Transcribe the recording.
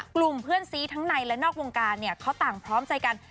กลุ่มเพื่อนซีทั้งในและนอกวงการเนี่ยเขาต่างพร้อมใจกัน